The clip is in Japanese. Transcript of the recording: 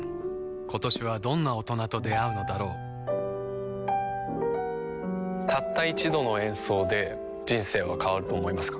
今年はどんな大人と出会うのだろうたった一度の演奏で人生は変わると思いますか？